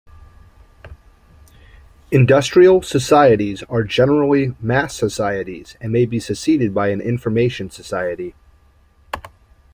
Industrial societies are generally mass societies, and may be succeeded by an Information society.